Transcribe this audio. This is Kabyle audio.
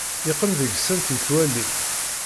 Yeqqim deg-sent yettwali.